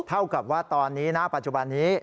เท่ากับว่าตอนนี้ณปัจจุบันนี้